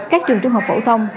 các trường trung học phổ thông